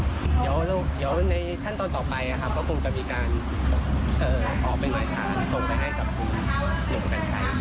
เดี๋ยวในขั้นตอนต่อไปก็คงจะมีการออกเป็นหมายสารส่งไปให้กับคุณหนุ่มกัญชัย